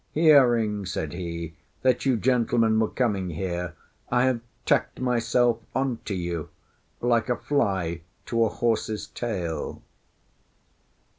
"Hearing," said he, "that you gentlemen were coming here, I have tacked myself on to you, like a fly to a horse's tail."